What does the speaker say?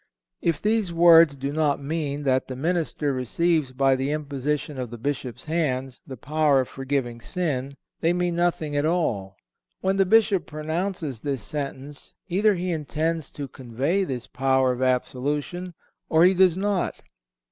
(460) If these words do not mean that the minister receives by the imposition of the Bishop's hands the power of forgiving sin, they mean nothing at all. When the Bishop pronounces this sentence, either he intends to convey this power of absolution, or he does not.